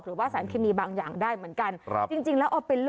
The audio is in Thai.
หรือว่าสารเคมีบางอย่างได้เหมือนกันจริงจริงแล้วออกเป็น